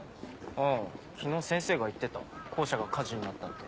ああ昨日先生が言ってた校舎が火事になったって。